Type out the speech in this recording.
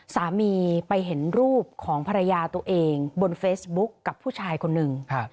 สามีไปเห็นรูปของภรรยาตัวเองบนเฟซบุ๊คกับผู้ชายคนหนึ่ง